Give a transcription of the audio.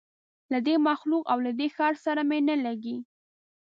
له دې مخلوق او له دې ښار سره مي نه لګیږي